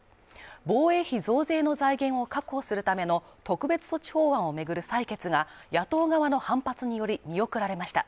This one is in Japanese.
防衛費増税の財源を確保するための特別措置法案を巡る採決が野党側の反発により見送られました。